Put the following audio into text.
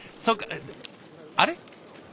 そうかあれ？